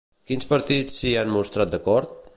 Quins partits s'hi han mostrat d'acord?